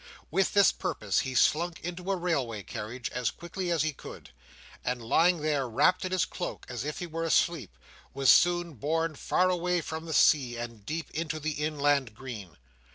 With this purpose he slunk into a railway carriage as quickly as he could, and lying there wrapped in his cloak as if he were asleep, was soon borne far away from the sea, and deep into the inland green.